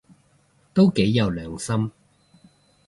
都幾有良心